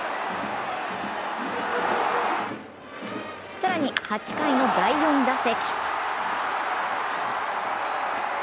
更に８回の第４打席。